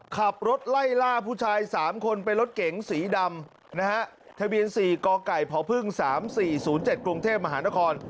ขับรถไล่ล่าผู้ชายสามคนเป็นรถเก๋งสีดำนะฮะทะเบียนสี่กไก่พพึ่งสามสี่ศูนย์เจ็ดกรุงเทพมหานคร